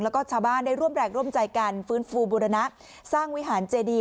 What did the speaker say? แล้วก็ชาวบ้านได้ร่วมแรงร่วมใจกันฟื้นฟูบุรณะสร้างวิหารเจดี